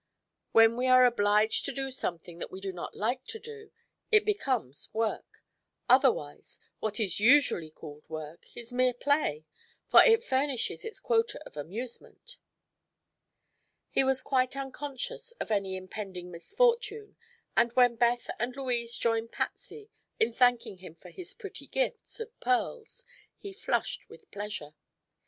When we are obliged to do something that we do not like to do, it becomes 'work.' Otherwise, what is usually called 'work' is mere play, for it furnishes its quota of amusement." He was quite unconscious of any impending misfortune and when Beth and Louise joined Patsy in thanking him for his pretty gifts of the pearls he flushed with pleasure.